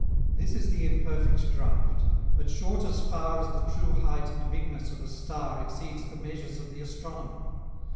This is the imperfect draught; but short as far } As the true height and bigness of a star } Exceeds the measures of the astronomer.